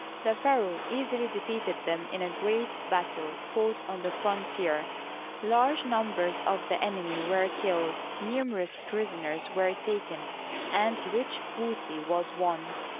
The pharaoh easily defeated them in a great battle fought on the frontier ; large numbers of the enemy were killed, numerous prisoners were taken, and rich booty was won.